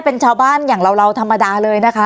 เป็นชาวบ้านอย่างเราธรรมดาเลยนะคะ